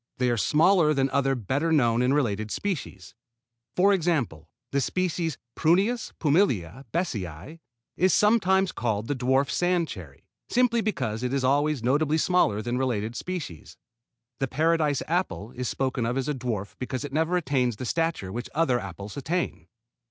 They are smaller than other better known and related species. For example, the species Prunus pumila besseyi is sometimes called the dwarf sand cherry, simply because it is always notably smaller than related species. The Paradise apple is spoken of as a dwarf because it never attains the stature which other apples attain.